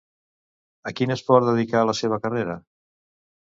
A quin esport dedicà la seva carrera?